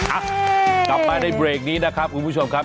อ่ะกลับมาในเบรกนี้นะครับคุณผู้ชมครับ